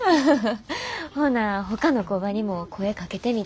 ほなほかの工場にも声かけてみる。